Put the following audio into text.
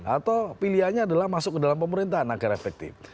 atau pilihannya adalah masuk ke dalam pemerintahan agar efektif